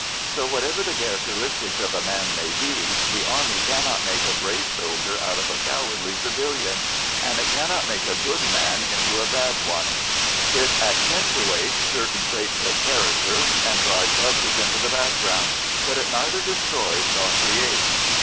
So, whatever the characteristics of a man may be, the Army cannot make a brave soldier out of a cowardly civilian, and it cannot make a good man into a bad one; it accentuates certain traits of character and drives others into the background, but it neither destroys nor creates.